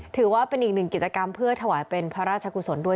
ถือว่าเป็นอีกหนึ่งกิจกรรมเพื่อถวายเป็นพระราชกุศลด้วย